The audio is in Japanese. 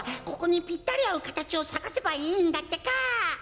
ここにぴったりあうかたちをさがせばいいんだってか。